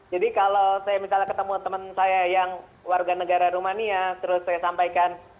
jadi kalau saya misalnya ketemu teman saya yang warga negara rumania terus saya sampaikan